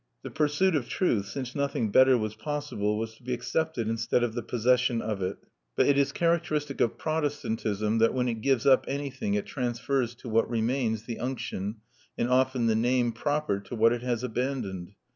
The pursuit of truth, since nothing better was possible, was to be accepted instead of the possession of it. But it is characteristic of Protestantism that, when it gives up anything, it transfers to what remains the unction, and often the name, proper to what it has abandoned.